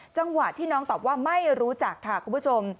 จังหวะที่น้องตอบว่าไม่รู้จักค่ะคุณผู้ชม